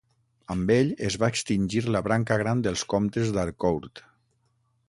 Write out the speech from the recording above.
Amb ell es va extingir la branca gran dels comtes d'Harcourt.